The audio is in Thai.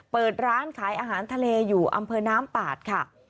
เปิดร้านขายอาหารทะเลอยู่อำเภอน้ำปาดค่ะ